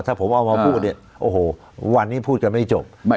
ถ้าผมเอามาพูดเนี่ยโอ้โหวันนี้พูดกันไม่จบ